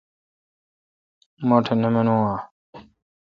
مہ ٹھ نہ منون اہ؟